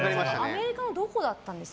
アメリカのどこだったんですか？